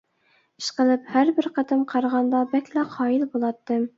ئىشقىلىپ ھەربىر قېتىم قارىغاندا بەكلا قايىل بولاتتىم.